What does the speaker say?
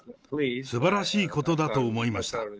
すばらしいことだと思いました。